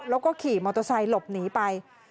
แล้วก็ขี่มอเตอร์ไซค์หลบหนีไป